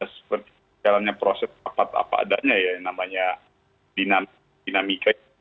seperti jalannya proses rapat apa adanya ya yang namanya dinamika